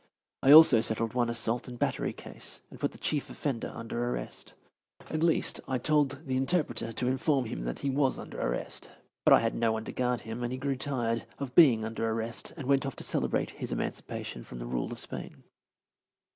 I also settled one assault and battery case, and put the chief offender under arrest. At least, I told the official interpreter to inform him that he was under arrest, but as I had no one to guard him he grew tired of being under arrest and went off to celebrate his emancipation from the rule of Spain.